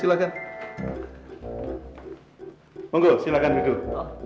anggol silakan duduk